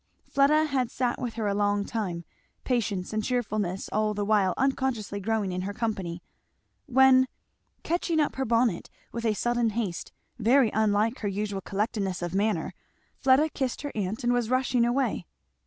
Fleda had sat with her a long time, patience and cheerfulness all the while unconsciously growing in her company; when catching up her bonnet with a sudden haste very unlike her usual collectedness of manner Fleda kissed her aunt and was rushing away.